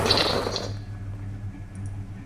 اپنا سامان ادھر ادھر چھوڑ دیتا ہوں